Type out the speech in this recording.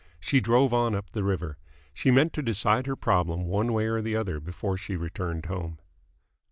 She drove on up the river. She meant to decide her problem one way or the other before she returned home.